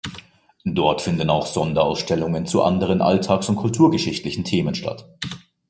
Dort finden auch Sonderausstellungen zu anderen alltags- und kulturgeschichtlichen Themen statt.